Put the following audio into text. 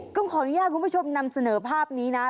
ต้องขออนุญาตคุณผู้ชมนำเสนอภาพนี้นะ